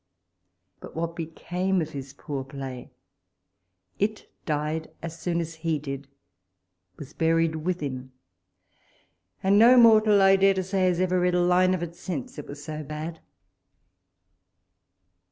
But what became of his poor play? It died as WALPOLE's LETTtRS. 189 soon as he did — was buried with him ; and no mortal, I dare to say, has ever read a line of it since, it was so bad.